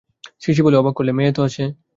CC বলে, অবাক করলে, মেয়ে এত আছে।